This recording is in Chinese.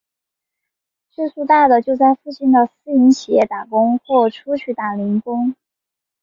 岁数大的就在附近的私营企业打工或者去打零工。